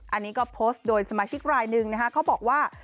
อันนี้ก็โพสต์โดยสมาชิกรายหนึ่งนะคะเขาบอกว่า